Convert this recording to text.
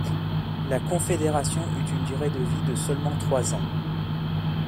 La Confédération eut une durée de vie de seulement trois ans.